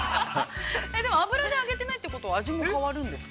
でも、油で揚げてないということは、味も変わるんですか。